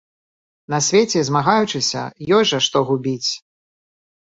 На свеце, змагаючыся, ёсць жа што губіць!